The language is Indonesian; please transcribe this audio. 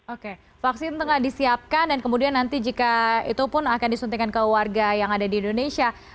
oke vaksin tengah disiapkan dan kemudian nanti jika itu pun akan disuntikan ke warga yang ada di indonesia